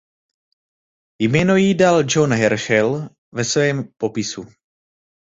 Jméno jí dal John Herschel ve svém popisu.